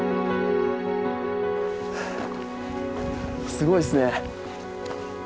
すごいですね。